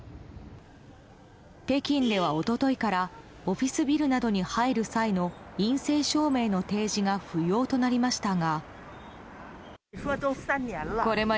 北京では一昨日からオフィスビルなどに入る際の陰性証明の提示が不要となりましたが。